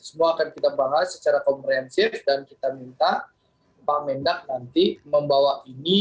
semua akan kita bahas secara komprehensif dan kita minta pak mendak nanti membawa ini